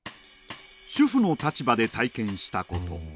主婦の立場で体験したこと。